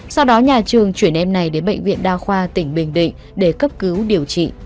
sau đó nhà trường chuyển em này đến bệnh viện đa khoa tỉnh bình định để cấp cứu điều trị